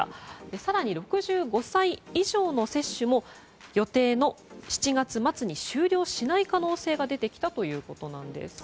更に、６５歳以上の接種も予定の７月末に終了しない可能性が出てきたんです。